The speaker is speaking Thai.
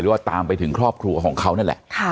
ว่าตามไปถึงครอบครัวของเขานั่นแหละ